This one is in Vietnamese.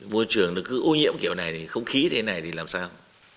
vô trường cứ ô nhiễm kiểu này không khí thế này thì làm sao